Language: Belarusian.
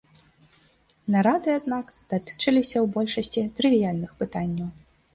Нарады, аднак, датычыліся ў большасці трывіяльных пытанняў.